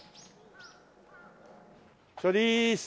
チョリーッス。